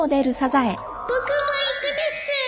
僕も行くです